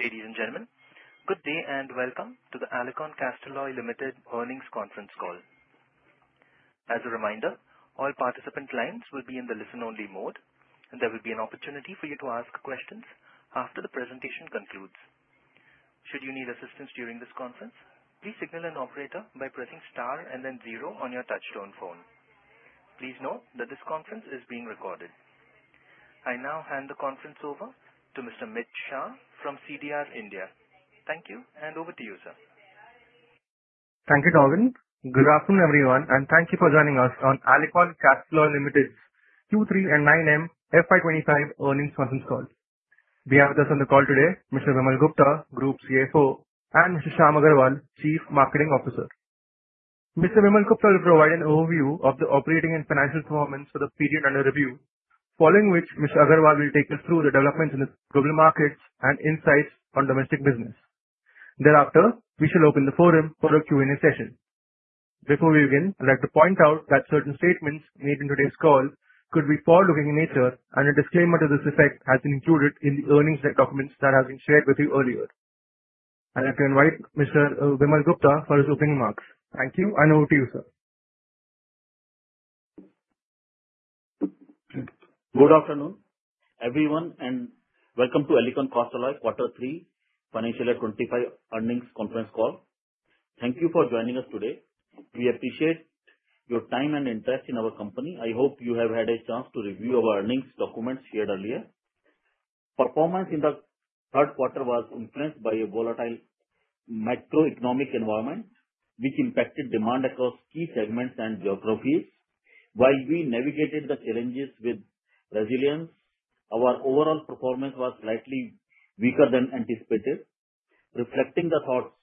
Ladies and gentlemen, good day and welcome to the Alicon Castalloy Limited Earnings Conference Call. As a reminder, all participant lines will be in the listen-only mode, and there will be an opportunity for you to ask questions after the presentation concludes. Should you need assistance during this conference, please signal an operator by pressing star and then zero on your touch-tone phone. Please note that this conference is being recorded. I now hand the conference over to Mr. Mit Shah from CDR India. Thank you, and over to you, sir. Thank you, Darwin. Good afternoon, everyone, and thank you for joining us on Alicon Castalloy Limited's Q3 and 9M FY25 earnings conference call. We have with us on the call today Mr. Vimal Gupta, Group CFO, and Mr. Shyam Agarwal, Chief Marketing Officer. Mr. Vimal Gupta will provide an overview of the operating and financial performance for the period under review, following which Mr. Agarwal will take us through the developments in the global markets and insights on domestic business. Thereafter, we shall open the forum for a Q&A session. Before we begin, I'd like to point out that certain statements made in today's call could be forward-looking in nature, and a disclaimer to this effect has been included in the earnings documents that have been shared with you earlier. I'd like to invite Mr. Vimal Gupta for his opening remarks. Thank you, and over to you, sir. Good afternoon, everyone, and welcome to Alicon Castalloy Quarter Three Financial Year 2025 earnings conference call. Thank you for joining us today. We appreciate your time and interest in our company. I hope you have had a chance to review our earnings documents shared earlier. Performance in the third quarter was influenced by a volatile macroeconomic environment, which impacted demand across key segments and geographies. While we navigated the challenges with resilience, our overall performance was slightly weaker than anticipated. Reflecting the thoughts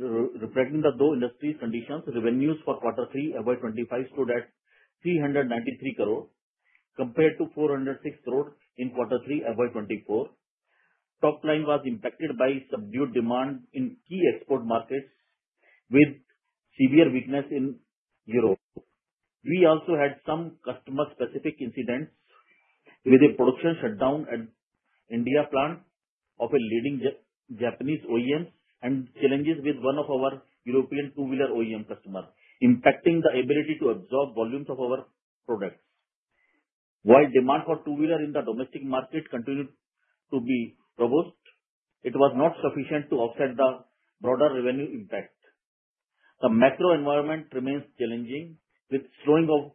of those industries' conditions, revenues for Quarter Three FY2025 stood at 393 crore, compared to 406 crore in Quarter Three FY2024. Top line was impacted by subdued demand in key export markets, with severe weakness in Europe. We also had some customer-specific incidents with a production shutdown at India plant of a leading Japanese OEM and challenges with one of our European two-wheeler OEM customers, impacting the ability to absorb volumes of our products. While demand for two-wheeler in the domestic market continued to be robust, it was not sufficient to offset the broader revenue impact. The macro environment remains challenging, with slowing of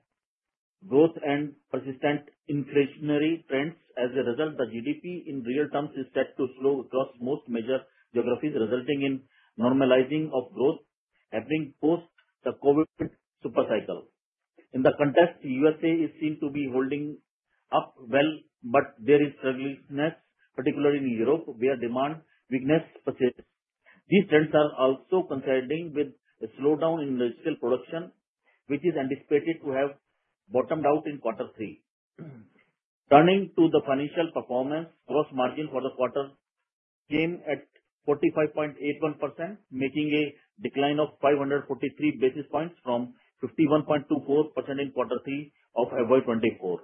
growth and persistent inflationary trends. As a result, the GDP in real terms is set to slow across most major geographies, resulting in normalizing of growth happening post the COVID supercycle. In the context, the USA is seen to be holding up well, but there is sluggishness, particularly in Europe, where demand weakness persists. These trends are also concerning with a slowdown in industrial production, which is anticipated to have bottomed out in Quarter Three. Turning to the financial performance, gross margin for the quarter came at 45.81%, making a decline of 543 basis points from 51.24% in Quarter Three of FY2024.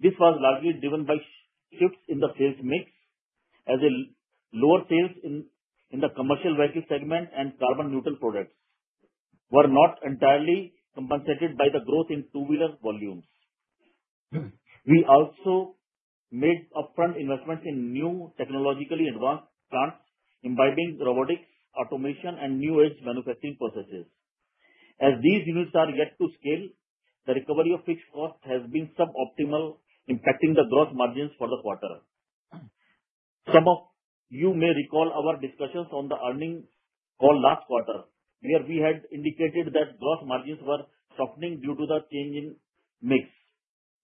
This was largely driven by shifts in the sales mix, as lower sales in the commercial vehicle segment and carbon-neutral products were not entirely compensated by the growth in two-wheeler volumes. We also made upfront investments in new technologically advanced plants, imbibing robotics, automation, and new age manufacturing processes. As these units are yet to scale, the recovery of fixed cost has been suboptimal, impacting the gross margins for the quarter. Some of you may recall our discussions on the earnings call last quarter, where we had indicated that gross margins were softening due to the changing mix.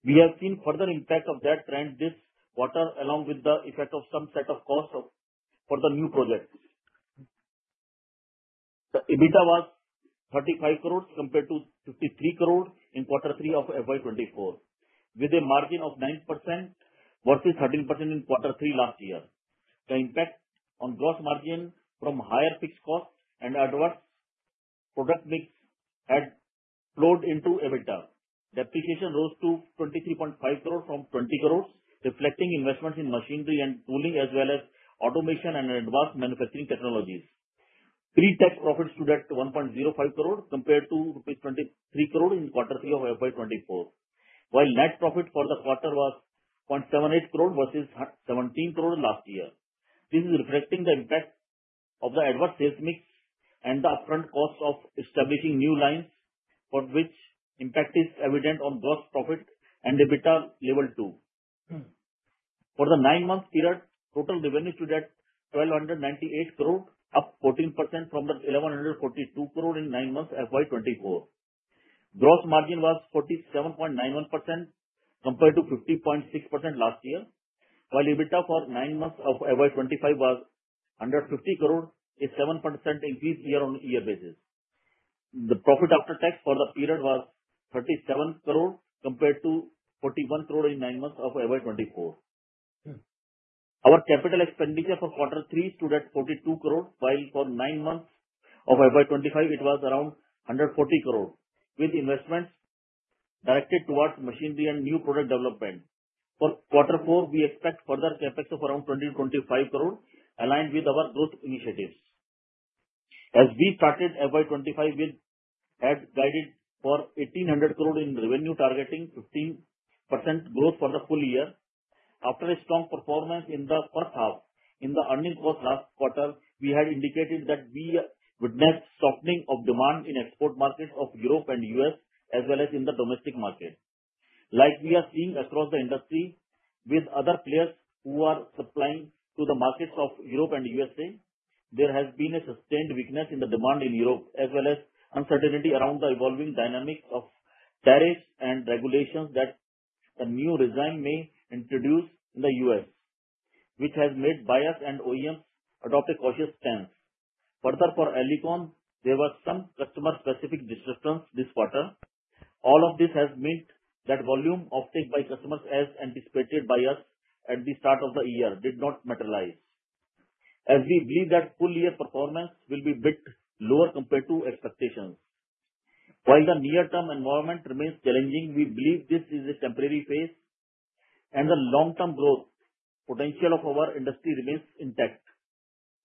We have seen further impact of that trend this quarter, along with the effect of some set of costs for the new projects. The EBITDA was 350 million compared to 530 million in Quarter Three of FY 2024, with a margin of 9% versus 13% in Quarter Three last year. The impact on gross margin from higher fixed cost and adverse product mix had flowed into EBITDA. Depreciation rose to 235 million from 200 million, reflecting investments in machinery and tooling, as well as automation and advanced manufacturing technologies. Pre-tax profits stood at 10.5 million compared to rupees 230 million in Quarter Three of FY 2024, while net profit for the quarter was 7.8 million versus 170 million last year. This is reflecting the impact of the adverse sales mix and the upfront cost of establishing new lines, for which impact is evident on gross profit and EBITDA level too. For the nine-month period, total revenues stood at 12,980 million, up 14% from the 11,420 million in nine months of FY 2024. Gross margin was 47.91% compared to 50.6% last year, while EBITDA for nine months of FY2025 was 150 crore, a 7% increase year-on-year basis. The profit after tax for the period was 37 crore compared to 41 crore in nine months of FY2024. Our capital expenditure for Quarter Three stood at 42 crore, while for nine months of FY2025, it was around 140 crore, with investments directed towards machinery and new product development. For Quarter Four, we expect further CapEx of around 20-25 crore, aligned with our growth initiatives. As we started FY2025 with had guided for 1,800 crore in revenue, targeting 15% growth for the full year. After a strong performance in the first half in the earnings post last quarter, we had indicated that we witnessed softening of demand in export markets of Europe and the U.S., as well as in the domestic market. Like we are seeing across the industry with other players who are supplying to the markets of Europe and the USA, there has been a sustained weakness in the demand in Europe, as well as uncertainty around the evolving dynamics of tariffs and regulations that the new regime may introduce in the US, which has made buyers and OEMs adopt a cautious stance. Further, for Alicon, there were some customer-specific disruptions this quarter. All of this has meant that volume offtake by customers, as anticipated by us at the start of the year, did not materialize, as we believe that full-year performance will be bit lower compared to expectations. While the near-term environment remains challenging, we believe this is a temporary phase, and the long-term growth potential of our industry remains intact.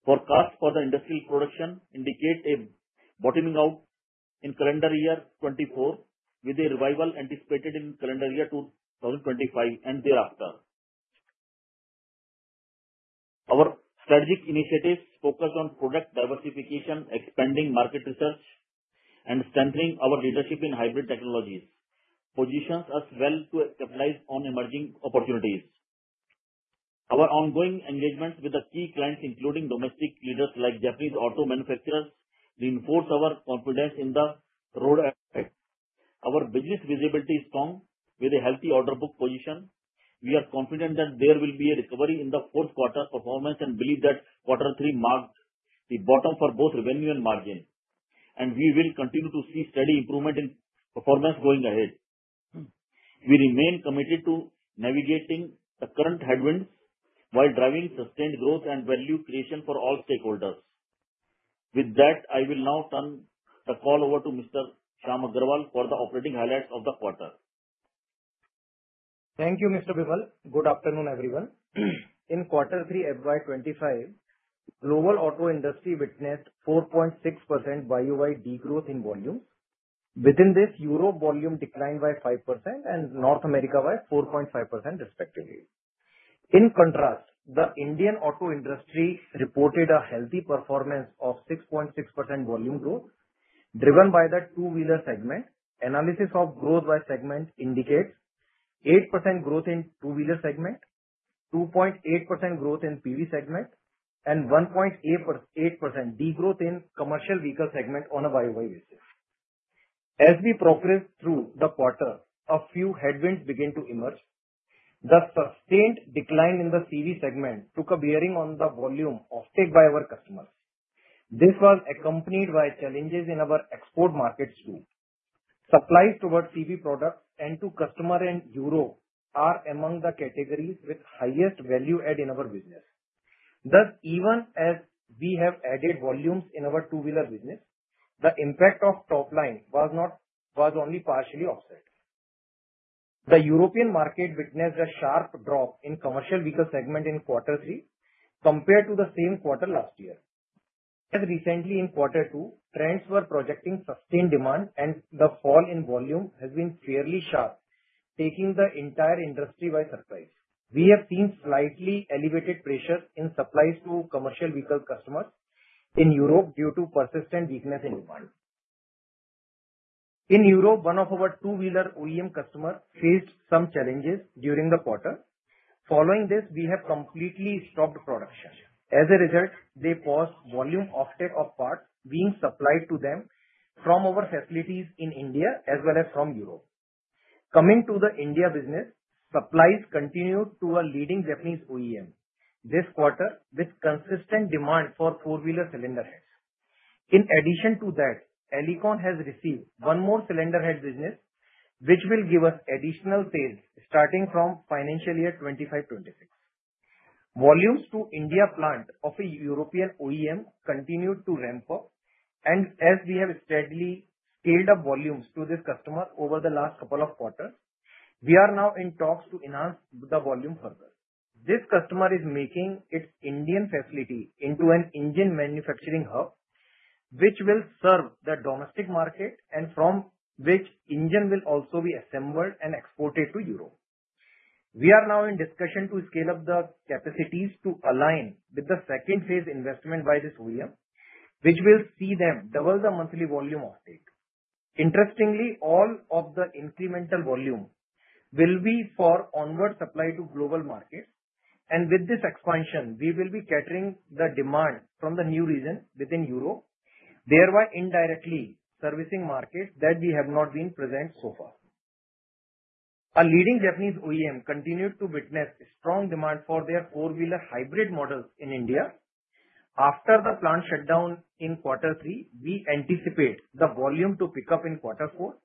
Forecasts for the industrial production indicate a bottoming out in calendar year 2024, with a revival anticipated in calendar year 2025 and thereafter. Our strategic initiatives focused on product diversification, expanding market research, and strengthening our leadership in hybrid technologies position us well to capitalize on emerging opportunities. Our ongoing engagements with the key clients, including domestic leaders like Japanese auto manufacturers, reinforce our confidence in the road ahead. Our business visibility is strong with a healthy order book position. We are confident that there will be a recovery in the fourth quarter performance and believe that quarter three marked the bottom for both revenue and margin, and we will continue to see steady improvement in performance going ahead. We remain committed to navigating the current headwinds while driving sustained growth and value creation for all stakeholders. With that, I will now turn the call over to Mr. Shyam Agarwal for the operating highlights of the quarter. Thank you, Mr. Vimal. Good afternoon, everyone. In Quarter Three FY2025, global auto industry witnessed 4.6% YoY degrowth in volumes. Within this, Europe volume declined by 5% and North America by 4.5%, respectively. In contrast, the Indian auto industry reported a healthy performance of 6.6% volume growth, driven by the two-wheeler segment. Analysis of growth by segment indicates 8% growth in two-wheeler segment, 2.8% growth in PV segment, and 1.8% degrowth in commercial vehicle segment on a Y-o-Y basis. As we progressed through the quarter, a few headwinds began to emerge. The sustained decline in the CV segment took a bearing on the volume offtake by our customers. This was accompanied by challenges in our export markets too. Supplies towards CV products and to customer in Europe are among the categories with the highest value add in our business. Thus, even as we have added volumes in our two-wheeler business, the impact of top line was only partially offset. The European market witnessed a sharp drop in commercial vehicle segment in quarter three compared to the same quarter last year. As recently in quarter two, trends were projecting sustained demand, and the fall in volume has been fairly sharp, taking the entire industry by surprise. We have seen slightly elevated pressures in supplies to commercial vehicle customers in Europe due to persistent weakness in demand. In Europe, one of our two-wheeler OEM customers faced some challenges during the quarter. Following this, we have completely stopped production. As a result, they paused volume offtake of parts being supplied to them from our facilities in India, as well as from Europe. Coming to the India business, supplies continued to a leading Japanese OEM this quarter, with consistent demand for four-wheeler cylinder heads. In addition to that, Alicon has received one more cylinder head business, which will give us additional sales starting from financial year 2025-2026. Volumes to India plant of a European OEM continued to ramp up, and as we have steadily scaled up volumes to this customer over the last couple of quarters, we are now in talks to enhance the volume further. This customer is making its Indian facility into an engine manufacturing hub, which will serve the domestic market, and from which engine will also be assembled and exported to Europe. We are now in discussion to scale up the capacities to align with the second phase investment by this OEM, which will see them double the monthly volume offtake. Interestingly, all of the incremental volume will be for onward supply to global markets, and with this expansion, we will be catering the demand from the new region within Europe, thereby indirectly servicing markets that we have not been present so far. A leading Japanese OEM continued to witness strong demand for their four-wheeler hybrid models in India. After the plant shutdown in Quarter Three, we anticipate the volume to pick up in Quarter Four.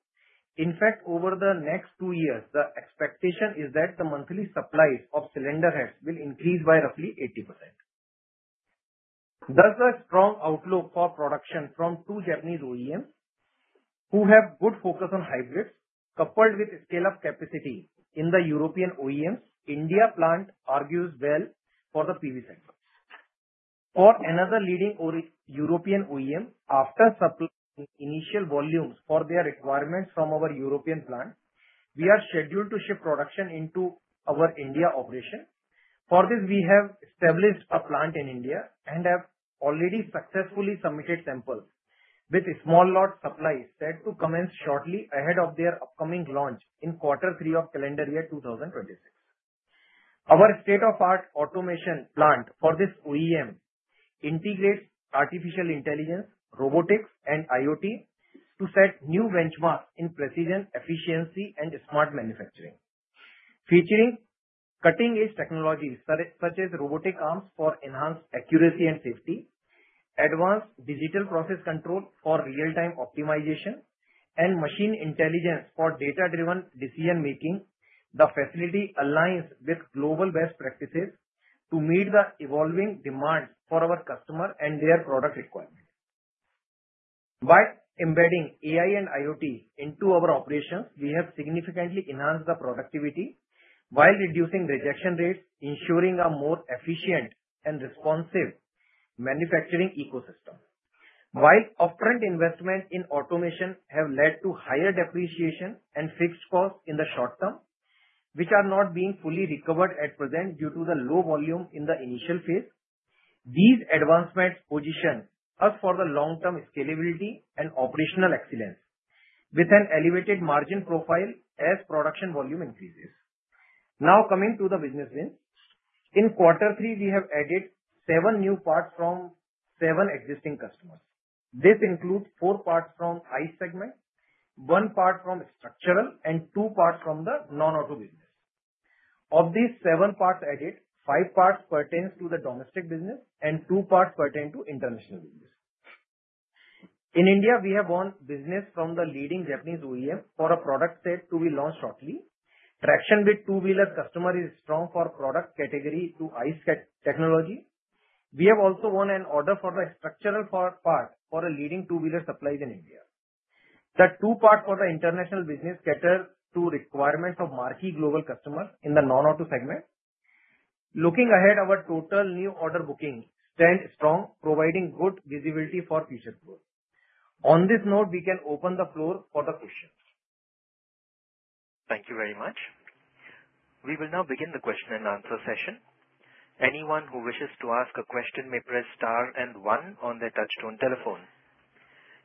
In fact, over the next two years, the expectation is that the monthly supplies of cylinder heads will increase by roughly 80%. Thus, a strong outlook for production from two Japanese OEMs who have good focus on hybrids, coupled with scale-up capacity in the European OEMs, India plant argues well for the PV segment. For another leading European OEM, after supplying initial volumes for their requirements from our European plant, we are scheduled to shift production into our India operation. For this, we have established a plant in India and have already successfully submitted samples with small lot supplies set to commence shortly ahead of their upcoming launch in Quarter Three of calendar year 2026. Our state-of-the-art automation plant for this OEM integrates artificial intelligence, robotics, and IoT to set new benchmarks in precision, efficiency, and smart manufacturing, featuring cutting-edge technologies such as robotic arms for enhanced accuracy and safety, advanced digital process control for real-time optimization, and machine intelligence for data-driven decision-making. The facility aligns with global best practices to meet the evolving demands for our customers and their product requirements. By embedding AI and IoT into our operations, we have significantly enhanced the productivity while reducing rejection rates, ensuring a more efficient and responsive manufacturing ecosystem. While upfront investments in automation have led to higher depreciation and fixed costs in the short term, which are not being fully recovered at present due to the low volume in the initial phase, these advancements position us for the long-term scalability and operational excellence, with an elevated margin profile as production volume increases. Now, coming to the business wins, in Quarter Three, we have added seven new parts from seven existing customers. This includes four parts from ICE segment, one part from structural, and two parts from the non-auto business. Of these seven parts added, five parts pertain to the domestic business and two parts pertain to international business. In India, we have won business from the leading Japanese OEM for a product set to be launched shortly. Traction with two-wheeler customers is strong for product category to ICE technology. We have also won an order for the structural part for a leading two-wheeler supplier in India. The two parts for the international business cater to requirements of marquee global customers in the non-auto segment. Looking ahead, our total new order booking stands strong, providing good visibility for future growth. On this note, we can open the floor for the questions. Thank you very much. We will now begin the question and answer session. Anyone who wishes to ask a question may press star and one on their touch-tone telephone.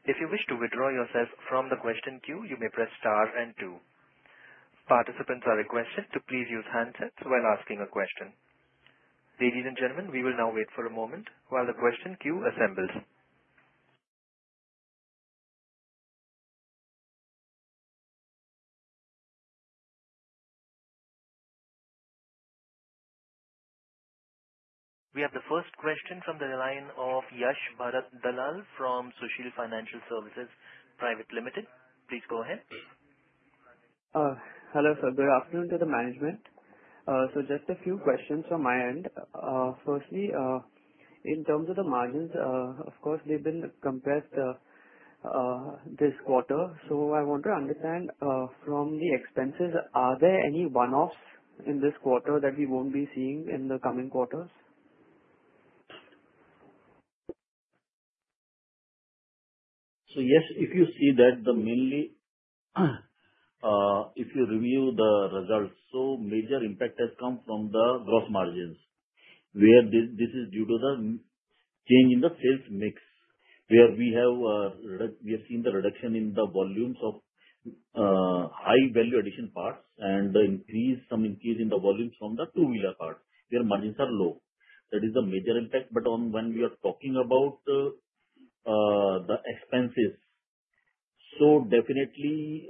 If you wish to withdraw yourself from the question queue, you may press star and two. Participants are requested to please use handsets while asking a question. Ladies and gentlemen, we will now wait for a moment while the question queue assembles. We have the first question from the line of Yash Bharat Dalal from Sushil Financial Services Private Limited. Please go ahead. Hello, sir. Good afternoon to the management. Just a few questions from my end. Firstly, in terms of the margins, of course, they've been compressed this quarter. I want to understand from the expenses, are there any one-offs in this quarter that we won't be seeing in the coming quarters? Yes, if you see that mainly, if you review the results, the major impact has come from the gross margins, where this is due to the change in the sales mix, where we have seen the reduction in the volumes of high-value addition parts and some increase in the volumes from the two-wheeler parts, where margins are low. That is the major impact. When we are talking about the expenses, definitely,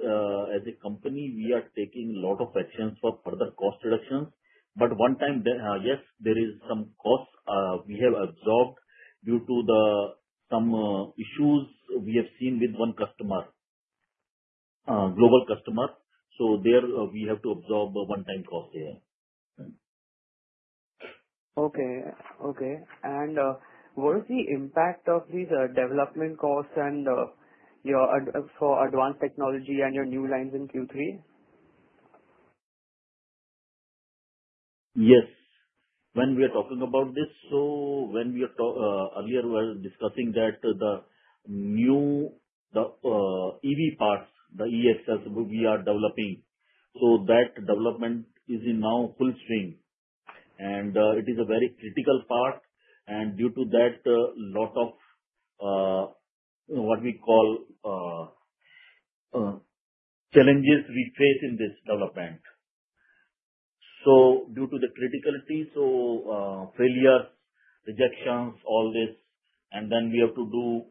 as a company, we are taking a lot of actions for further cost reductions. One time, yes, there is some cost we have absorbed due to some issues we have seen with one customer, a global customer. There, we have to absorb one-time cost. Okay. Okay. What is the impact of these development costs for advanced technology and your new lines in Q3? Yes. When we are talking about this, when we were earlier, we were discussing that the new EV parts, the e-axles, we are developing. That development is now full swing, and it is a very critical part. Due to that, a lot of what we call challenges we face in this development. Due to the criticality, failures, rejections, all this, and then we have to do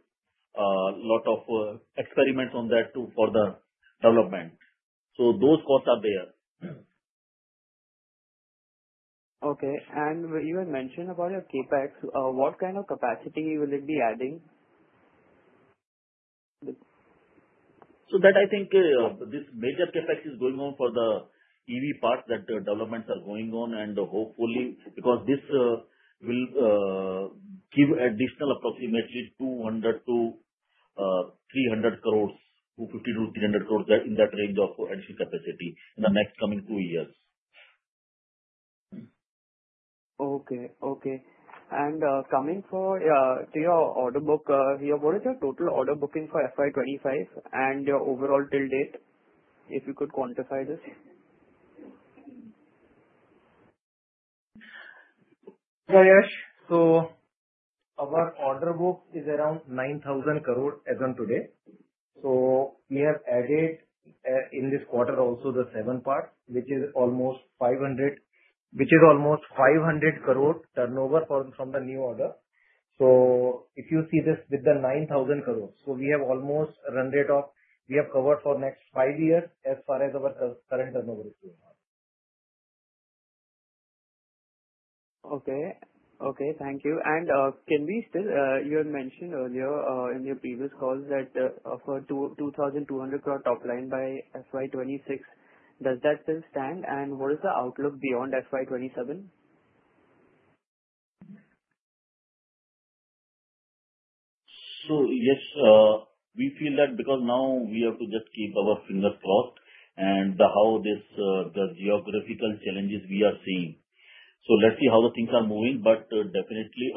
a lot of experiments on that too for the development. Those costs are there. Okay. You had mentioned about your CapEx. What kind of capacity will it be adding? I think this major CapEx is going on for the EV parts that developments are going on, and hopefully, because this will give additional approximately 200 crore-300 crore, 250 crore-300 crore in that range of additional capacity in the next coming two years. Okay. Okay. Coming to your order book, what is your total order booking for FY 2025 and your overall till date, if you could quantify this? Yash, our order book is around 9,000 crore as of today. We have added in this quarter also the seven parts, which is almost 500 crore turnover from the new order. If you see this with the 9,000 crore, we have almost run rate of we have covered for next five years as far as our current turnover is going on. Okay. Okay. Thank you. Can we still, you had mentioned earlier in your previous calls that for 2,200 crore top line by FY 2026, does that still stand? What is the outlook beyond FY 2027? Yes, we feel that because now we have to just keep our fingers crossed and how the geographical challenges we are seeing. Let's see how the things are moving. Definitely,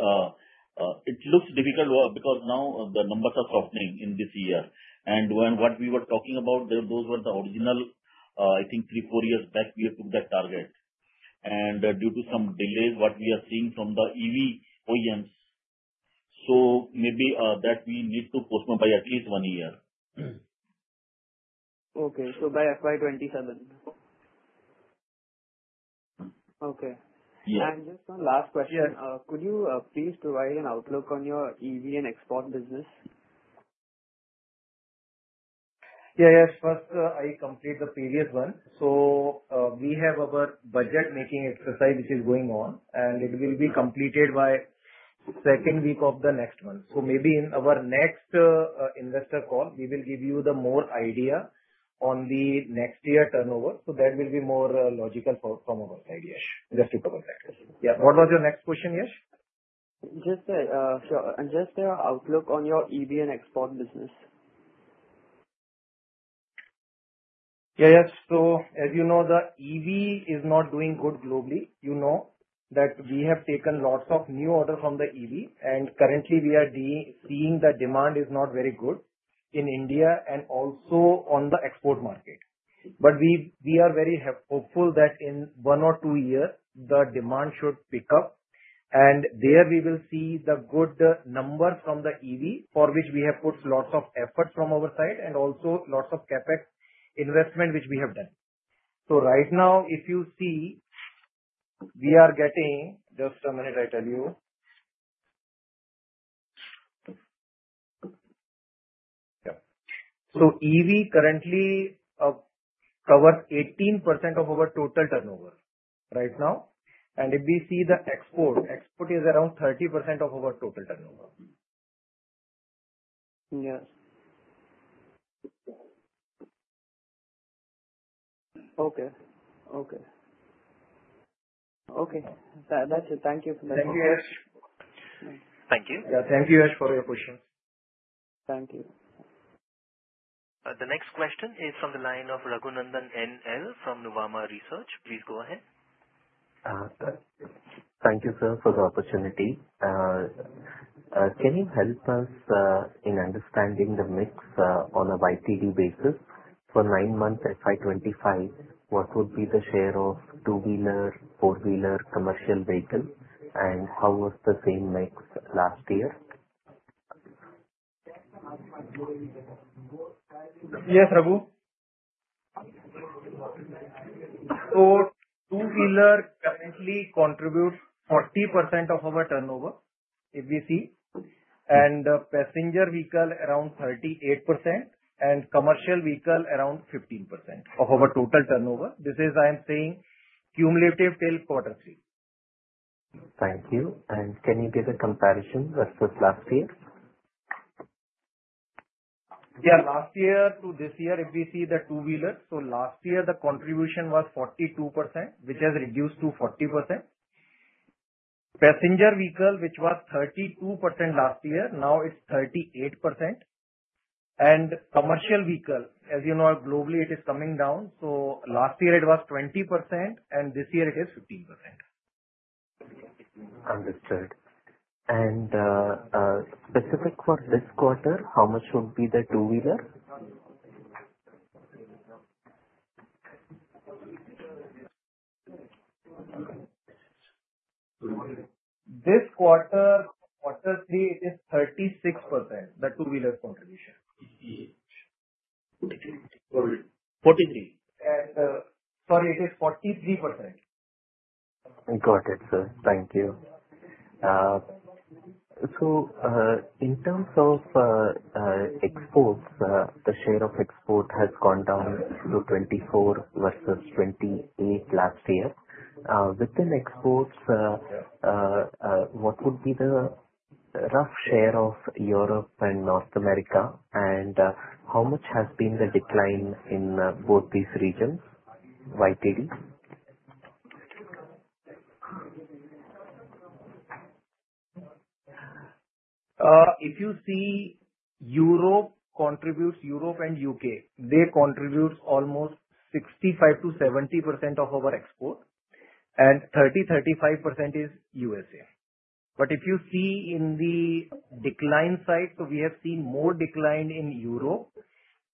it looks difficult because now the numbers are softening in this year. What we were talking about, those were the original, I think, three, four years back we had put that target. Due to some delays, what we are seeing from the EV OEMs, maybe that we need to postpone by at least one year. Okay. By FY 2027. Just one last question. Could you please provide an outlook on your EV and export business? Yeah. Yes. First, I complete the previous one. We have our budget-making exercise, which is going on, and it will be completed by the second week of the next month. Maybe in our next investor call, we will give you more idea on the next year turnover. That will be more logical from our side, Yash, just to cover that. Yeah. What was your next question, Yash? Just a short. Just your outlook on your EV and export business. Yeah. Yes. As you know, the EV is not doing good globally. You know that we have taken lots of new orders from the EV, and currently, we are seeing the demand is not very good in India and also on the export market. We are very hopeful that in one or two years, the demand should pick up, and there we will see the good numbers from the EV, for which we have put lots of effort from our side and also lots of CapEx investment, which we have done. Right now, if you see, we are getting just a minute, I tell you. Yeah. EV currently covers 18% of our total turnover right now. If we see the export, export is around 30% of our total turnover. Yes. Okay. Okay. Okay. That's it. Thank you for the question. Thank you, Yash. Thank you. Yeah. Thank you, Yash, for your questions. Thank you. The next question is from the line of Raghunandan NL from Nuvama Research. Please go ahead. Thank you, sir, for the opportunity. Can you help us in understanding the mix on a YTD basis? For nine months FY 2025, what would be the share of two-wheeler, four-wheeler, commercial vehicles, and how was the same mix last year? Yes, Raghu. Two-wheeler currently contributes 40% of our turnover, if we see, and passenger vehicle around 38% and commercial vehicle around 15% of our total turnover. This is, I am saying, cumulative till Quarter Three. Thank you. Can you give a comparison versus last year? Yeah. Last year to this year, if we see the two-wheeler, last year, the contribution was 42%, which has reduced to 40%. Passenger vehicle, which was 32% last year, now it's 38%. Commercial vehicle, as you know, globally, it is coming down. Last year, it was 20%, and this year, it is 15%. Understood. Specific for this quarter, how much would be the two-wheeler? This quarter, quarter three, it is 36%, the two-wheeler contribution. Sorry, it is 43%. Got it, sir. Thank you. In terms of exports, the share of export has gone down to 24% versus 28% last year. Within exports, what would be the rough share of Europe and North America, and how much has been the decline in both these regions, YTD? If you see, Europe contributes Europe and U.K. They contribute almost 65-70% of our export, and 30-35% is U.S.A. If you see in the decline side, we have seen more decline in Europe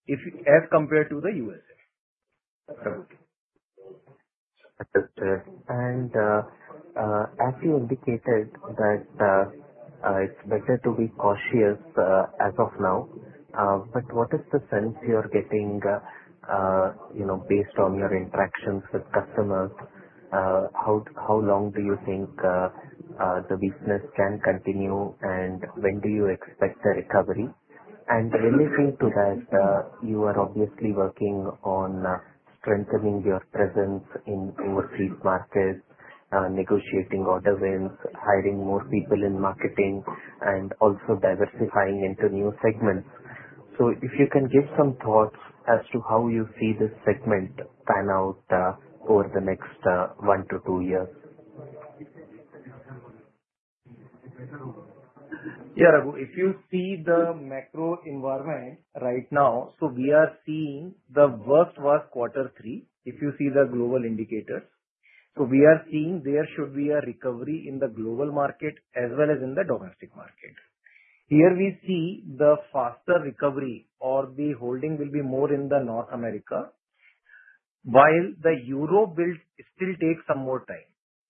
as compared to the U.S.A. Understood. As you indicated that it's better to be cautious as of now, what is the sense you are getting based on your interactions with customers? How long do you think the weakness can continue, and when do you expect the recovery? Relating to that, you are obviously working on strengthening your presence in overseas markets, negotiating order wins, hiring more people in marketing, and also diversifying into new segments. If you can give some thoughts as to how you see this segment pan out over the next one to two years. Yeah. Raghu, if you see the macro environment right now, we are seeing the worst was Quarter Three, if you see the global indicators. We are seeing there should be a recovery in the global market as well as in the domestic market. Here we see the faster recovery, or the holding will be more in North America, while Europe still takes some more time.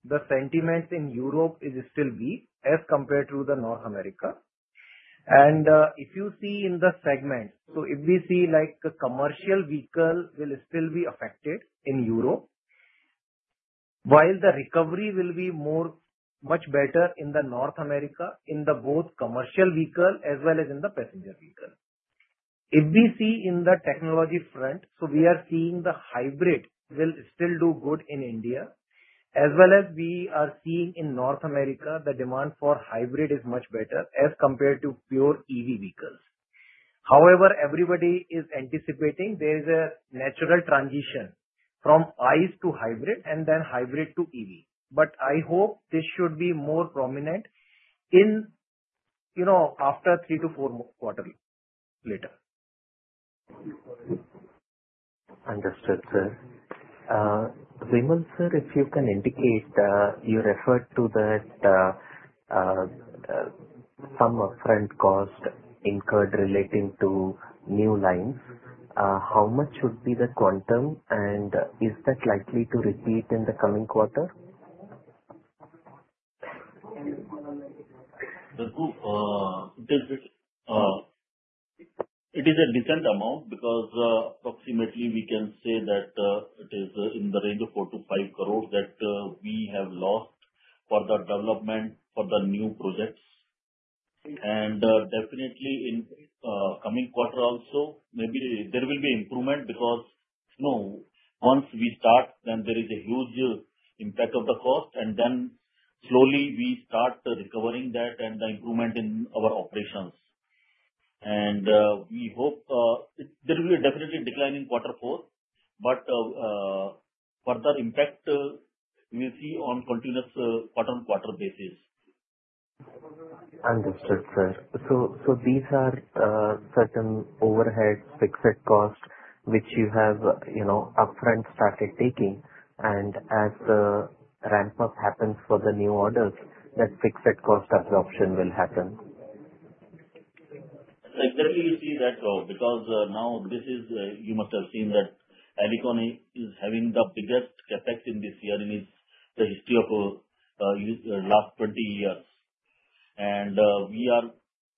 The sentiment in Europe is still weak as compared to North America. If you see in the segment, if we see like commercial vehicle will still be affected in Europe, while the recovery will be much better in North America in both commercial vehicle as well as in the passenger vehicle. If we see in the technology front, we are seeing the hybrid will still do good in India, as well as we are seeing in North America, the demand for hybrid is much better as compared to pure EV vehicles. However, everybody is anticipating there is a natural transition from ICE to hybrid and then hybrid to EV. I hope this should be more prominent after three to four quarters later. Understood, sir. Vimal Sir, if you can indicate, you referred to that some upfront cost incurred relating to new lines. How much should be the quantum, and is that likely to repeat in the coming quarter? Raghu, it is a decent amount because approximately we can say that it is in the range of 40,000,000-50,000,000 that we have lost for the development for the new projects. Definitely in coming quarter also, maybe there will be improvement because once we start, then there is a huge impact of the cost, and then slowly we start recovering that and the improvement in our operations. We hope there will be definitely declining quarter four, but further impact we see on continuous quarter-on-quarter basis. Understood, sir. These are certain overhead fixed costs which you have upfront started taking. As the ramp-up happens for the new orders, that fixed cost absorption will happen. Definitely, you see that because now this is you must have seen that Alicon is having the biggest CapEx in this year in the history of the last 20 years. We are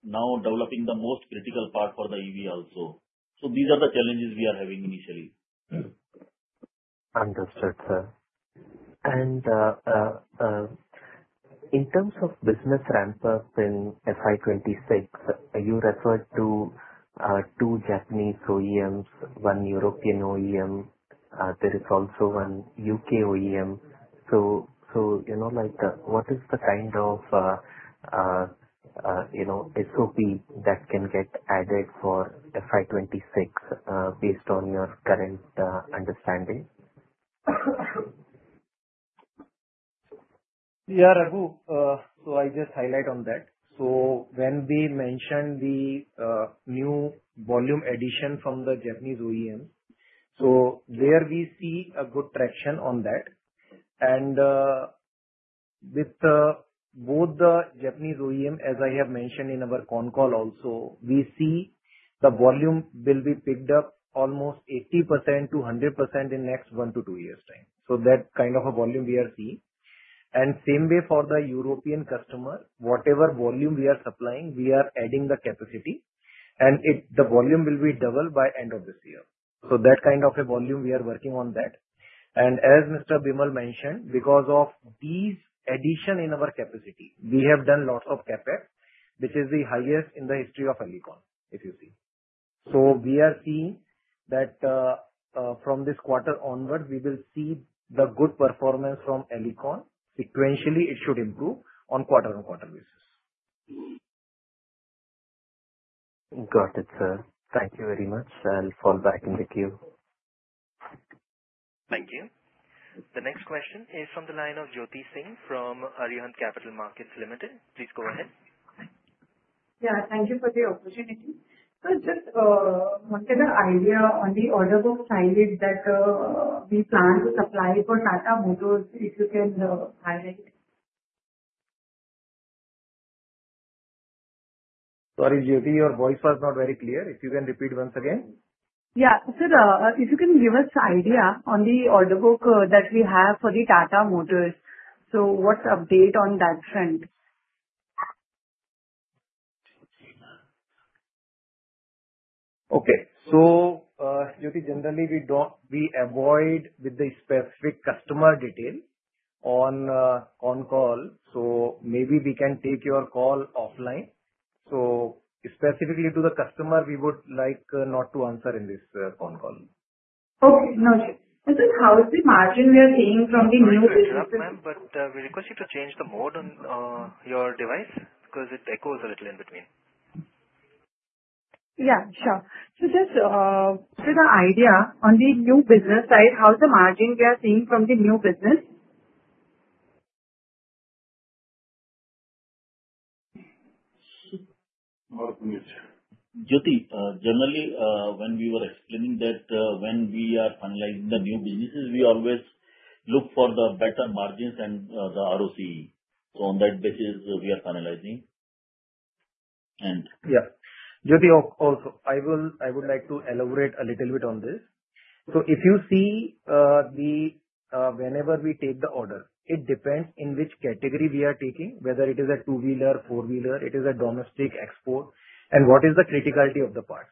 now developing the most critical part for the EV also. These are the challenges we are having initially. Understood, sir. In terms of business ramp-up in FY 2026, you referred to two Japanese OEMs, one European OEM. There is also one U.K. OEM. What is the kind of SOP that can get added for FY 2026 based on your current understanding? Yeah, Raghu. I just highlight on that. When we mentioned the new volume addition from the Japanese OEMs, there we see good traction on that. With both the Japanese OEM, as I have mentioned in our con call also, we see the volume will be picked up almost 80%-100% in next one to two years' time. That kind of a volume we are seeing. Same way for the European customer, whatever volume we are supplying, we are adding the capacity, and the volume will be doubled by end of this year. That kind of a volume we are working on. As Mr. Vimal mentioned, because of these addition in our capacity, we have done lots of CapEx, which is the highest in the history of Alicon, if you see. We are seeing that from this quarter onward, we will see the good performance from Alicon. Sequentially, it should improve on quarter-on-quarter basis. Got it, sir. Thank you very much. I'll fall back in the queue. Thank you. The next question is from the line of Jyoti Singh from Arihant Capital Markets. Please go ahead. Yeah. Thank you for the opportunity. Just wanted an idea on the order book side that we plan to supply for Tata Motors, if you can highlight. Sorry, Jyoti, your voice was not very clear. If you can repeat once again. Yeah. Sir, if you can give us an idea on the order book that we have for Tata Motors, what's the update on that trend? Okay. Jyoti, generally, we avoid the specific customer detail on con call. Maybe we can take your call offline. Specifically to the customer, we would like not to answer in this con call. Okay. Noted. Sir, how is the margin we are seeing from the new business? Hi, Vimal Gupta, but we request you to change the mode on your device because it echoes a little in between. Yeah. Sure. Just an idea on the new business side, how is the margin we are seeing from the new business? Jyoti, generally, when we were explaining that when we are finalizing the new businesses, we always look for the better margins and the ROC. On that basis, we are finalizing. Yeah. Jyoti, also, I would like to elaborate a little bit on this. If you see whenever we take the order, it depends in which category we are taking, whether it is a two-wheeler, four-wheeler, it is a domestic export, and what is the criticality of the parts.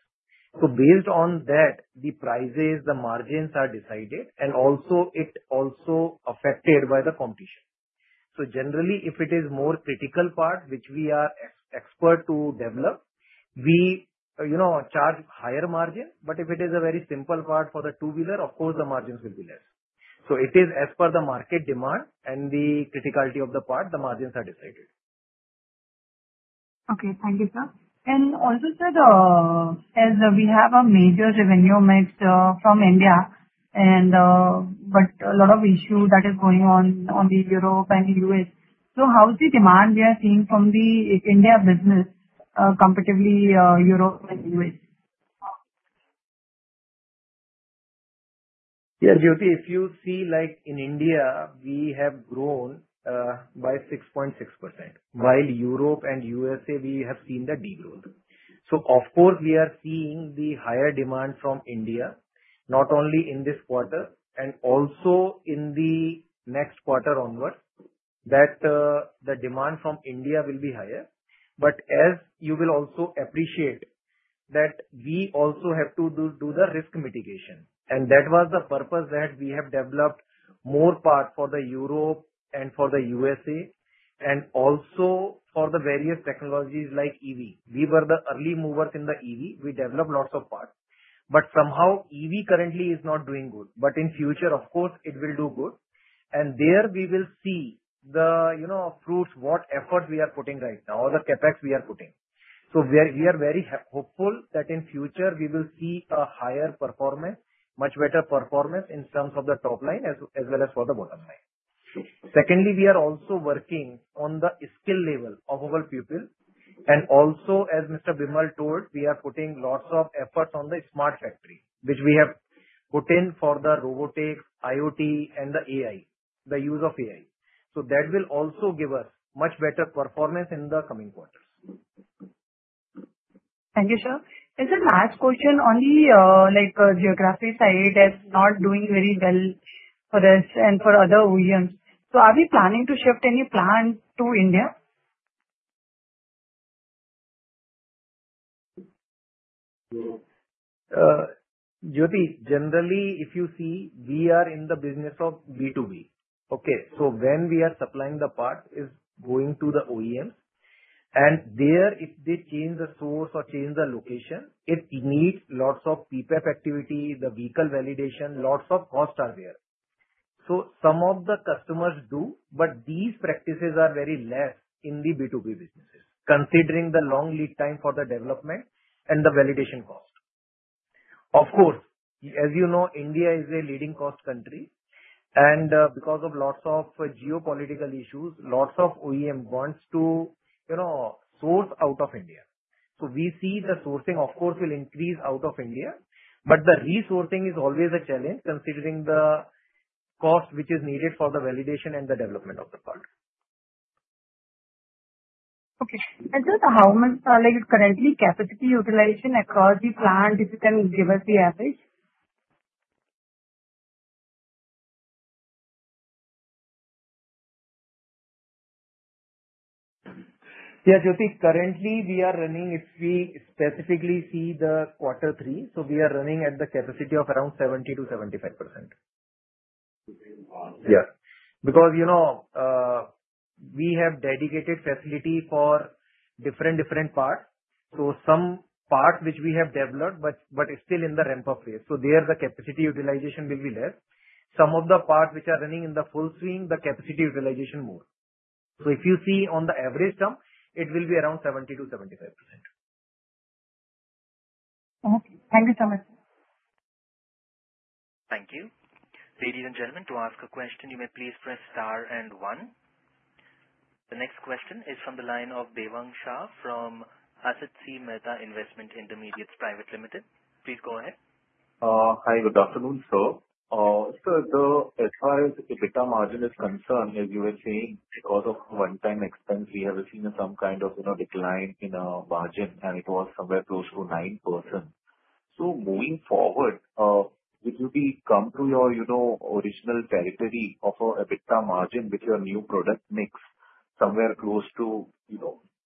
Based on that, the prices, the margins are decided, and also it is also affected by the competition. Generally, if it is more critical part, which we are expert to develop, we charge higher margin. If it is a very simple part for the two-wheeler, of course, the margins will be less. It is as per the market demand and the criticality of the part, the margins are decided. Okay. Thank you, sir. Also, sir, as we have a major revenue mix from India, but a lot of issue that is going on in Europe and the U.S., how is the demand we are seeing from the India business comparatively to Europe and the U.S.? Yeah. Jyoti, if you see in India, we have grown by 6.6%, while Europe and USA, we have seen that degrowth. Of course, we are seeing the higher demand from India, not only in this quarter and also in the next quarter onward, that the demand from India will be higher. As you will also appreciate, we also have to do the risk mitigation. That was the purpose that we have developed more part for Europe and for the USA and also for the various technologies like EV. We were the early movers in the EV. We developed lots of parts. Somehow, EV currently is not doing good. In future, of course, it will do good. There we will see the fruits, what efforts we are putting right now, or the CapEx we are putting. We are very hopeful that in future, we will see a higher performance, much better performance in terms of the top line as well as for the bottom line. Secondly, we are also working on the skill level of our people. Also, as Mr. Vimal told, we are putting lots of efforts on the smart factory, which we have put in for the robotics, IoT, and the AI, the use of AI. That will also give us much better performance in the coming quarters. Thank you, sir. Sir, last question on the geographic side that's not doing very well for us and for other OEMs. Are we planning to shift any plant to India? Jyoti, generally, if you see, we are in the business of B2B. Okay. When we are supplying the part, it's going to the OEMs. There, if they change the source or change the location, it needs lots of PPAP activity, the vehicle validation, lots of costs are there. Some of the customers do, but these practices are very less in the B2B businesses, considering the long lead time for the development and the validation cost. Of course, as you know, India is a leading cost country. Because of lots of geopolitical issues, lots of OEMs want to source out of India. We see the sourcing, of course, will increase out of India. The resourcing is always a challenge, considering the cost which is needed for the validation and the development of the part. Okay. Sir, how much currently capacity utilization across the plant if you can give us the average? Yeah. Jyoti, currently, we are running if we specifically see the quarter three, we are running at the capacity of around 70-75%. Yeah. Because we have dedicated facility for different parts. Some parts which we have developed, but it's still in the ramp-up phase. There, the capacity utilization will be less. Some of the parts which are running in the full swing, the capacity utilization more. If you see on the average term, it will be around 70-75%. Okay. Thank you so much. Thank you. Ladies and gentlemen, to ask a question, you may please press star and one. The next question is from the line of Devang Shah from Asit Mehta Investment Intermediates Private Limited. Please go ahead. Hi, good afternoon, sir. Sir, as far as the EBITDA margin is concerned, as you were saying, because of one-time expense, we have seen some kind of decline in margin, and it was somewhere close to 9%. Moving forward, would you be comfortable with your original territory of EBITDA margin with your new product mix somewhere close to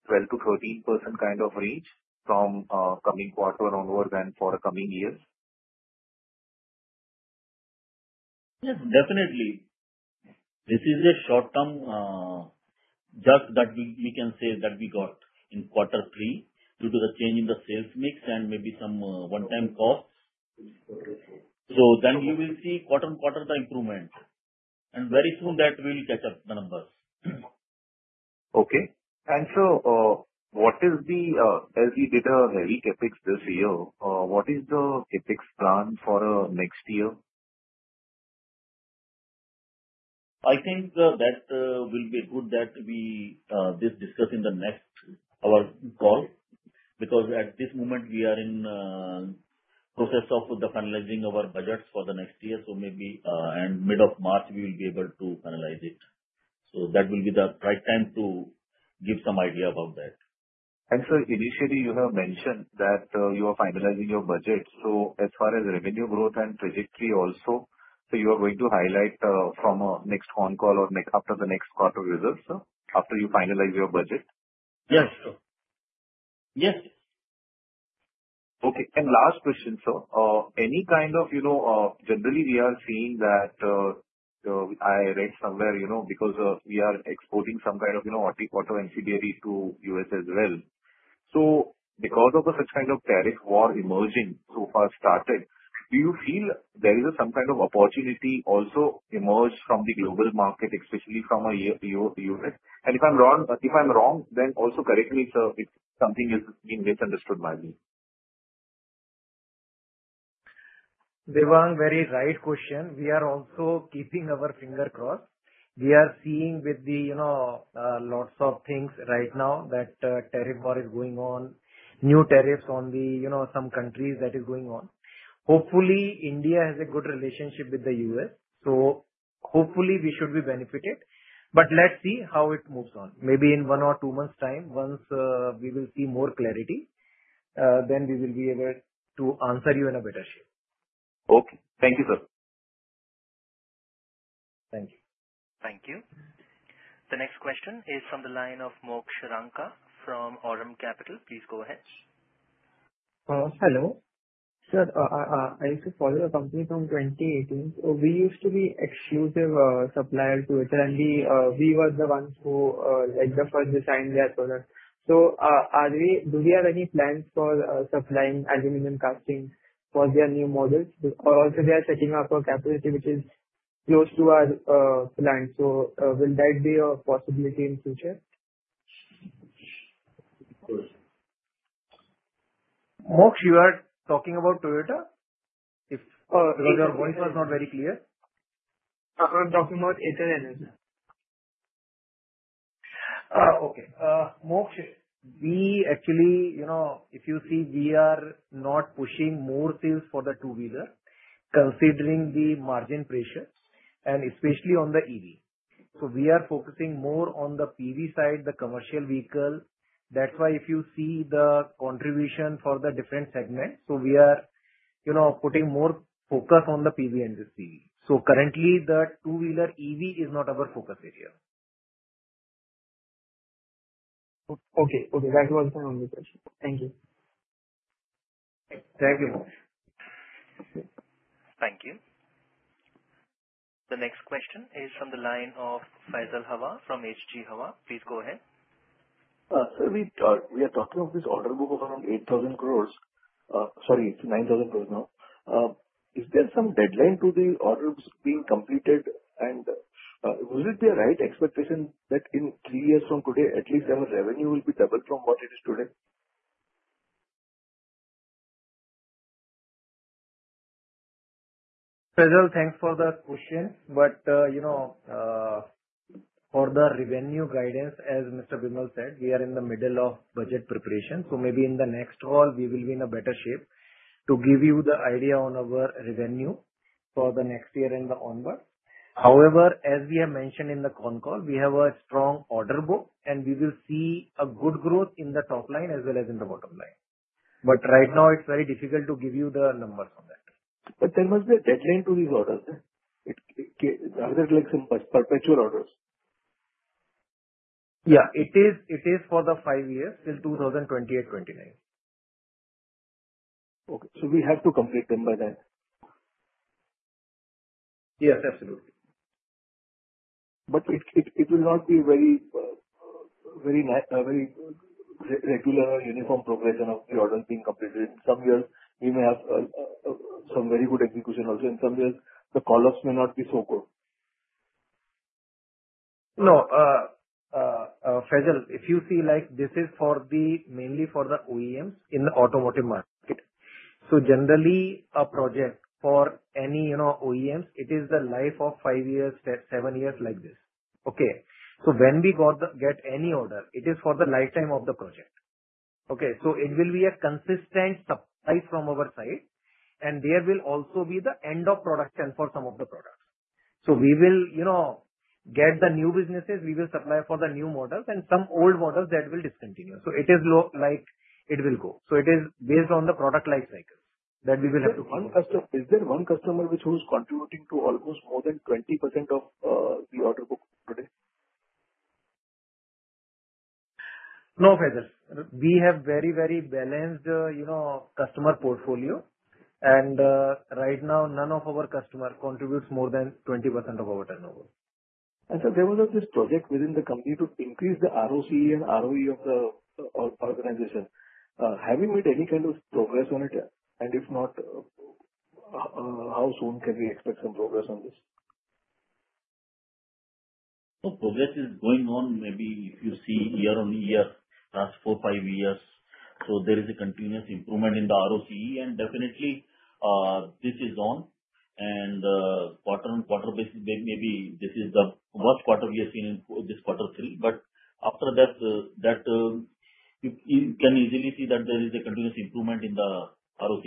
12-13% kind of range from coming quarter onward and for the coming years? Yes, definitely. This is a short-term jerk that we can say that we got in quarter three due to the change in the sales mix and maybe some one-time costs. You will see quarter on quarter the improvement. Very soon, that will catch up the numbers. Okay. Sir, as we did a heavy CapEx this year, what is the CapEx plan for next year? I think that will be good that we discuss in the next call because at this moment, we are in the process of finalizing our budgets for the next year. Maybe in mid of March, we will be able to finalize it. That will be the right time to give some idea about that. Sir, initially, you have mentioned that you are finalizing your budget. As far as revenue growth and trajectory also, are you going to highlight from a next con call or after the next quarter results, sir, after you finalize your budget? Yes, sir. Yes. Okay. Last question, sir. Any kind of generally, we are seeing that I read somewhere because we are exporting some kind of auto ancillary to the U.S. as well. Because of such kind of tariff war emerging so far started, do you feel there is some kind of opportunity also emerged from the global market, especially from the U.S.? If I'm wrong, then also correct me, sir, if something has been misunderstood by me. Devang, very right question. We are also keeping our finger crossed. We are seeing with lots of things right now that tariff war is going on, new tariffs on some countries that are going on. Hopefully, India has a good relationship with the U.S. Hopefully, we should be benefited. Let's see how it moves on. Maybe in one or two months' time, once we will see more clarity, then we will be able to answer you in a better shape. Okay. Thank you, sir. Thank you. Thank you. The next question is from the line of Moksh Ranka from Aurum Capital. Please go ahead. Hello. Sir, I used to follow a company from 2018. We used to be exclusive supplier to it. We were the ones who led the first design in their product. Do we have any plans for supplying aluminum casting for their new models? Also, they are setting up a capacity which is close to our plant. Will that be a possibility in the future? Moksh, you are talking about Toyota? Because your voice was not very clear. I'm talking about Ather Energy. Okay. Moksh, we actually, if you see, we are not pushing more sales for the two-wheeler, considering the margin pressure, and especially on the EV. We are focusing more on the PV side, the commercial vehicle. That is why if you see the contribution for the different segments, we are putting more focus on the PV and the CV. Currently, the two-wheeler EV is not our focus area. Okay. Okay. That was my only question. Thank you. Thank you, Moksh. Thank you. The next question is from the line of Faisal Hawa from HG Hawa. Please go ahead. Sir, we are talking of this order book of around 8,000 crore. Sorry, 9,000 crore now. Is there some deadline to the orders being completed? Would it be a right expectation that in three years from today, at least our revenue will be doubled from what it is today? Faisal, thanks for the question. For the revenue guidance, as Mr. Vimal said, we are in the middle of budget preparation. Maybe in the next call, we will be in a better shape to give you the idea on our revenue for the next year and onward. However, as we have mentioned in the con call, we have a strong order book, and we will see a good growth in the top line as well as in the bottom line. Right now, it's very difficult to give you the numbers on that. There must be a deadline to these orders, right? Are there perpetual orders? Yeah. It is for the five years, till 2028-2029. Okay. We have to complete them by then? Yes, absolutely. It will not be a very regular or uniform progression of the orders being completed. In some years, we may have some very good execution also. In some years, the call-ups may not be so good. No. Faisal, if you see, this is mainly for the OEMs in the automotive market. Generally, a project for any OEMs, it is the life of five years, seven years like this. Okay. When we get any order, it is for the lifetime of the project. Okay. It will be a consistent supply from our side. There will also be the end of production for some of the products. We will get the new businesses, we will supply for the new models, and some old models that will discontinue. It is like it will go. It is based on the product life cycles that we will have to follow. Is there one customer who is contributing to almost more than 20% of the order book today? No, Faisal. We have very, very balanced customer portfolio. Right now, none of our customers contributes more than 20% of our turnover. Sir, there was this project within the company to increase the ROC and ROE of the organization. Have you made any kind of progress on it? If not, how soon can we expect some progress on this? Progress is going on maybe if you see year on year, last four, five years. There is a continuous improvement in the ROC. Definitely, this is on. On a quarter on quarter basis, maybe this is the worst quarter we have seen in this quarter three. After that, you can easily see that there is a continuous improvement in the ROC.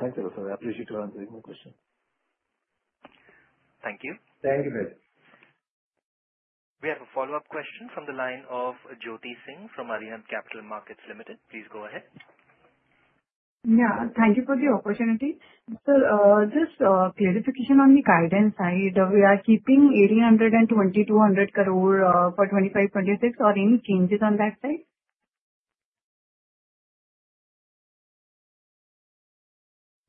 Thank you, sir. I appreciate your answer. Thank you. Thank you, sir. We have a follow-up question from the line of Jyoti Singh from Arihant Capital Markets. Please go ahead. Yeah. Thank you for the opportunity. Sir, just clarification on the guidance side. We are keeping 1,820-2,000 crore for 2025-2026. Are there any changes on that side?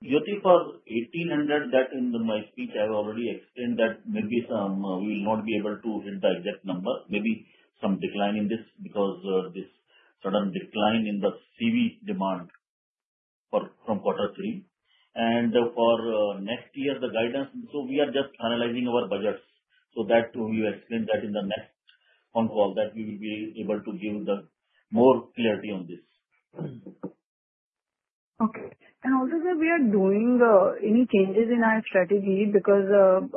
Jyoti, for 1,800, that in my speech, I have already explained that maybe we will not be able to hit the exact number. Maybe some decline in this because of this sudden decline in the CV demand from quarter three. For next year, the guidance, we are just finalizing our budgets. That we will explain in the next con call, we will be able to give more clarity on this. Okay. Also, sir, are we doing any changes in our strategy because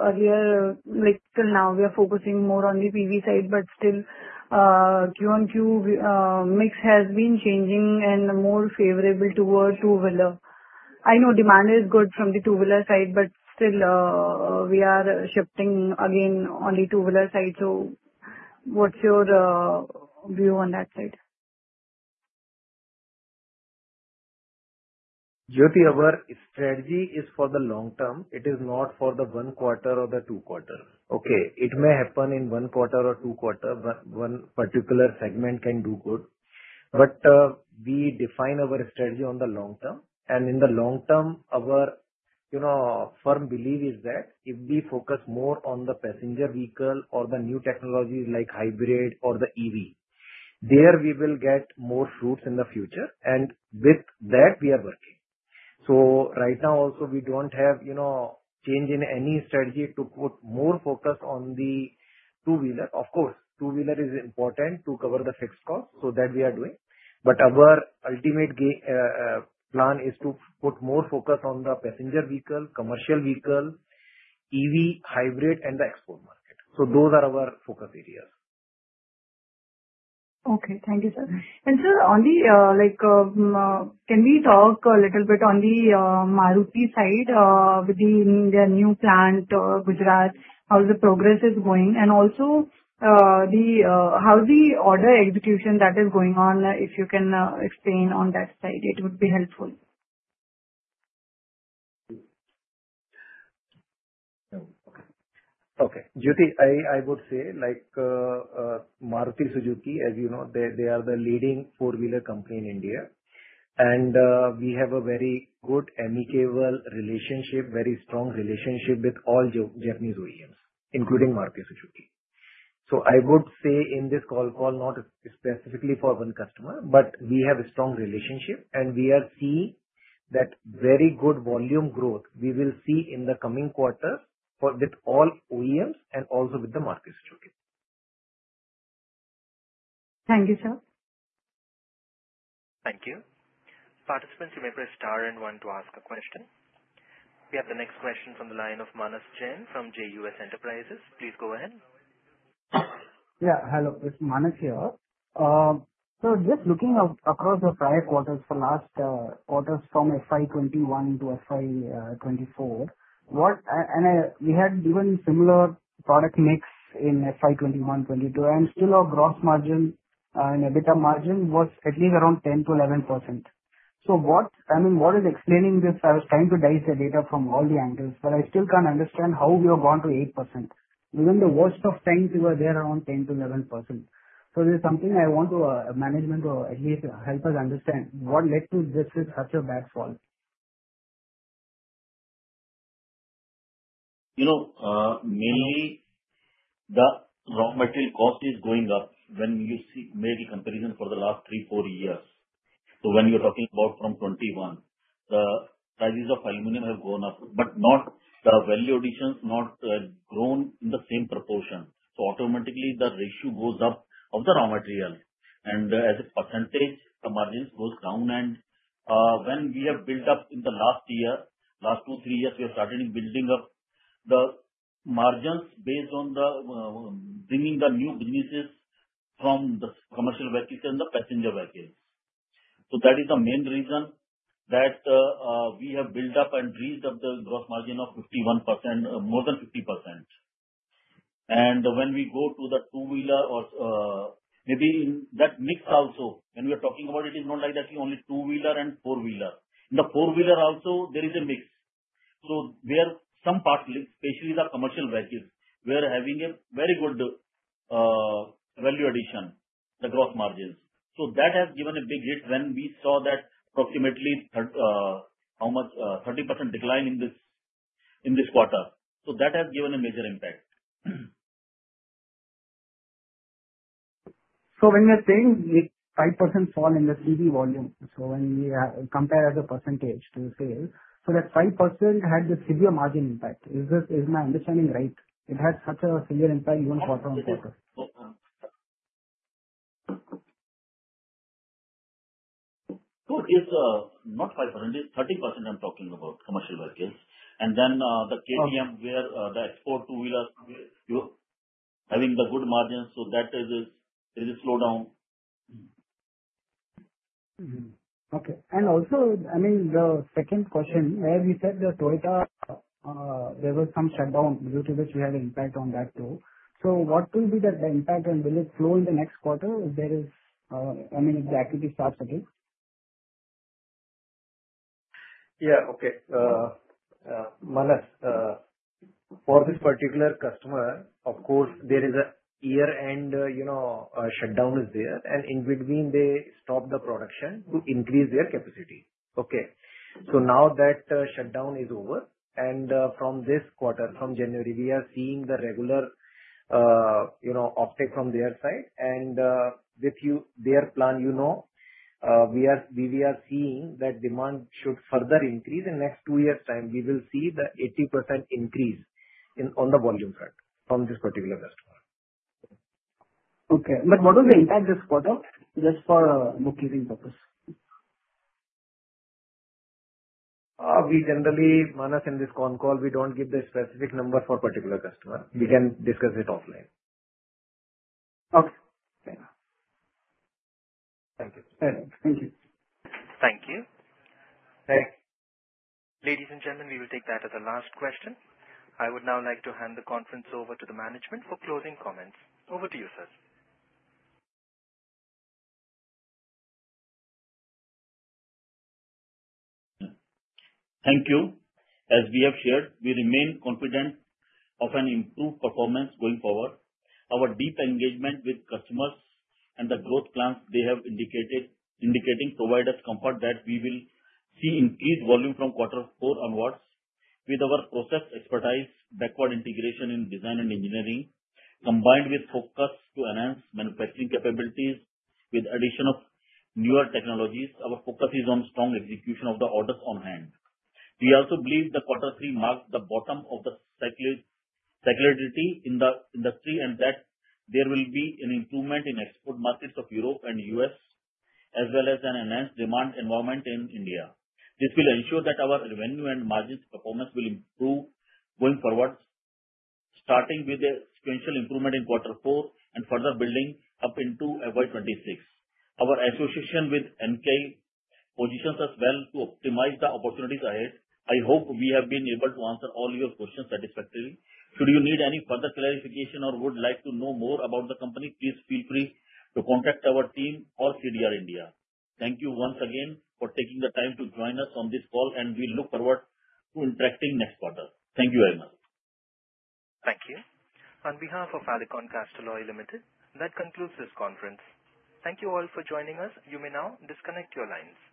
earlier, till now, we are focusing more on the PV side. Still, Q1Q mix has been changing and more favorable towards two-wheeler. I know demand is good from the two-wheeler side, but still, we are shifting again on the two-wheeler side. What is your view on that side? Jyoti, our strategy is for the long term. It is not for the one quarter or the two quarter. It may happen in one quarter or two quarter. One particular segment can do good. We define our strategy on the long term. In the long term, our firm belief is that if we focus more on the passenger vehicle or the new technology like hybrid or the EV, there we will get more fruits in the future. With that, we are working. Right now, also, we do not have a change in any strategy to put more focus on the two-wheeler. Of course, two-wheeler is important to cover the fixed cost. That we are doing. Our ultimate plan is to put more focus on the passenger vehicle, commercial vehicle, EV, hybrid, and the export market. Those are our focus areas. Okay. Thank you, sir. Sir, can we talk a little bit on the Maruti side with the new plant in Gujarat? How the progress is going? Also, how the order execution that is going on, if you can explain on that side, it would be helpful. Okay. Jyoti, I would say Maruti Suzuki, as you know, they are the leading four-wheeler company in India. And we have a very good amicable relationship, very strong relationship with all Japanese OEMs, including Maruti Suzuki. I would say in this call, not specifically for one customer, but we have a strong relationship. We are seeing that very good volume growth we will see in the coming quarters with all OEMs and also with the Maruti Suzuki. Thank you, sir. Thank you. Participants, you may press star and one to ask a question. We have the next question from the line of Manas Jain from JUS Enterprises. Please go ahead. Yeah. Hello. It's Manas here. Just looking across the prior quarters for last quarters from FY 2021 to FY 2024, we had given similar product mix in FY 2021, 2022, and still our gross margin and EBITDA margin was at least around 10-11%. I mean, what is explaining this? I was trying to dice the data from all the angles, but I still can't understand how we have gone to 8%. Within the worst of times, we were there around 10-11%. There is something I want management to at least help us understand. What led to this with such a bad fall? Mainly, the raw material cost is going up when you see maybe comparison for the last three, four years. When you're talking about from 2021, the prices of aluminum have gone up, but the value additions have not grown in the same proportion. Automatically, the ratio goes up of the raw material. As a percentage, the margins go down. When we have built up in the last year, last two, three years, we have started building up the margins based on bringing the new businesses from the commercial vehicles and the passenger vehicles. That is the main reason that we have built up and raised up the gross margin of 51%, more than 50%. When we go to the two-wheeler, maybe in that mix also, when we are talking about it, it is not like only two-wheeler and four-wheeler. In the four-wheeler also, there is a mix. Some parts, especially the commercial vehicles, we are having a very good value addition, the gross margins. That has given a big hit when we saw that approximately 30% decline in this quarter. That has given a major impact. When we are saying 5% fall in the CV volume, when we compare as a percentage to sales, that 5% had the severe margin impact. Is my understanding right? It had such a severe impact even quarter on quarter. No, it's not 5%. It's 30%. I'm talking about commercial vehicles. And then the KTM, where the export two-wheeler, having the good margins, so that is a slowdown. Okay. Also, I mean, the second question, as you said, Toyota, there was some shutdown due to which we had an impact on that too. What will be the impact, and will it slow in the next quarter if there is, I mean, if the activity starts again? Yeah. Okay. Manas, for this particular customer, of course, there is a year-end shutdown there. In between, they stopped the production to increase their capacity. Okay. Now that shutdown is over, and from this quarter, from January, we are seeing the regular uptake from their side. With their plan, we are seeing that demand should further increase. In the next two years' time, we will see the 80% increase on the volume front from this particular customer. Okay. What was the impact this quarter? Just for bookkeeping purpose. Generally, Manas, in this con call, we don't give the specific number for a particular customer. We can discuss it offline. Okay. Thank you. Thank you. Thank you. Ladies and gentlemen, we will take that as a last question. I would now like to hand the conference over to the management for closing comments. Over to you, sir. Thank you. As we have shared, we remain confident of an improved performance going forward. Our deep engagement with customers and the growth plans they have indicated, indicating provides comfort that we will see increased volume from quarter four onwards with our process expertise, backward integration in design and engineering, combined with focus to enhance manufacturing capabilities with the addition of newer technologies. Our focus is on strong execution of the orders on hand. We also believe the quarter three marks the bottom of the cyclicality in the industry, and that there will be an improvement in export markets of Europe and the U.S., as well as an enhanced demand environment in India. This will ensure that our revenue and margin performance will improve going forward, starting with a sequential improvement in quarter four and further building up into FY 2026. Our association with Enkei positions us well to optimize the opportunities ahead. I hope we have been able to answer all your questions satisfactorily. Should you need any further clarification or would like to know more about the company, please feel free to contact our team or CDR India. Thank you once again for taking the time to join us on this call, and we look forward to interacting next quarter. Thank you very much. Thank you. On behalf of Alicon Castalloy Limited, that concludes this conference. Thank you all for joining us. You may now disconnect your lines.